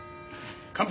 乾杯！